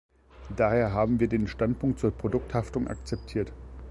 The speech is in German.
Daher haben wir den Standpunkt zur Produkthaftung akzeptiert.